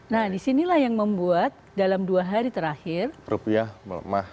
nah disinilah yang membuat dalam dua hari terakhir rupiah melemah